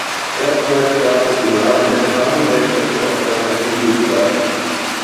Erstmals gab es im Rahmen der Kanu-Weltmeisterschaften auch ein Kulturprogramm.